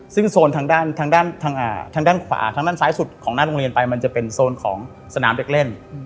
ซึ่งโซนทางด้านทางด้านขวาทางด้านซ้ายสุดของหน้าโรงเรียนไปมันจะเป็นโซนของสนามเด็กเล่น